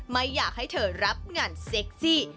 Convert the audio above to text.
ไม่อยากให้เธอรับงานเซ็กซี่